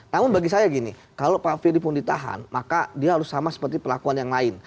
namun bagi saya gini kalau pak ferry pun ditahan maka dia harus sama seperti perlakuan yang lain